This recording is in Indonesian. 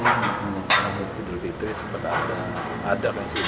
sehingga pak rkm idul fitri katanya sempet banyak terakhir